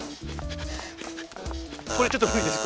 これちょっとむりです。